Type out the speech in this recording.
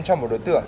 cho một đối tượng